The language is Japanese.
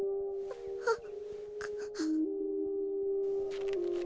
あっ。